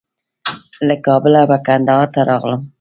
له کابله به کندهار ته راغلم.